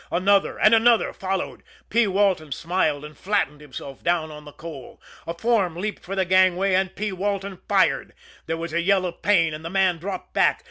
Another and another followed. P. Walton smiled, and flattened himself down on the coal. A form leaped for the gangway and P. Walton fired. There was a yell of pain and the man dropped back.